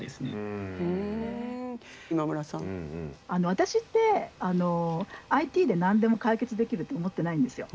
私ってＩＴで何でも解決できると思ってないんですよ。